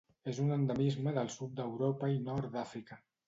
És un endemisme del sud d'Europa i Nord d'Àfrica.